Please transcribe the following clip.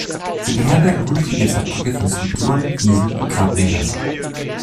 Sie beherbergen hunderte Gipsabdrücke von Skulpturen, Friesen und Grabmälern.